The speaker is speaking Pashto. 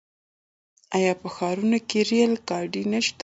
آیا په ښارونو کې ریل ګاډي نشته؟